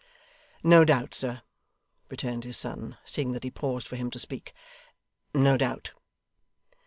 'No doubt, sir,' returned his son, seeing that he paused for him to speak. 'No doubt.